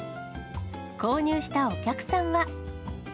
購入したお客さんは。